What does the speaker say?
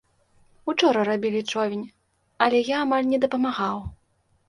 Учора рабілі човен, але я амаль не дапамагаў.